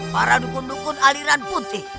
para dukun dukun aliran puntih